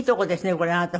これあなた。